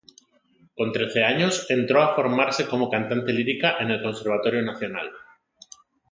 Con trece años entró a formarse como cantante lírica en el Conservatorio Nacional.